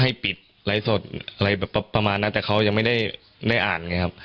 ให้ปิดไลฟ์สดอะไรแบบประมาณนั้นแต่เขายังไม่ได้ได้อ่านไงครับ